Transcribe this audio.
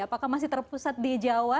apakah masih terpusat di jawa